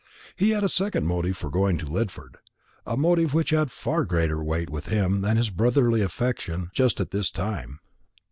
He had a second motive for going to Lidford; a motive which had far greater weight with him than his brotherly affection just at this time.